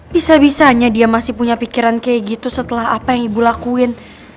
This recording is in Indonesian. bisa bisanya dia masih punya pikiran kayak gitu setelah apa yang ibu lakuin